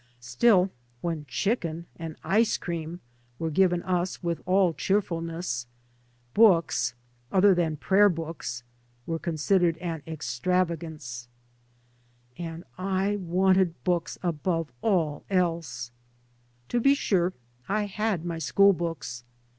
Still when chicken and ice cream were given us with all cheerfulness, books, other than prayer books, were considered an extrava gance. 3 by Google MY MOTHER AND I And I wanted books above all else I To be sure, I had my school books.